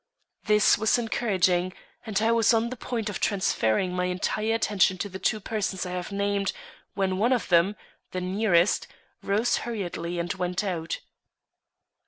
This was encouraging, and I was on the point of transferring my entire attention to the two persons I have named, when one of them, the nearest, rose hurriedly and went out.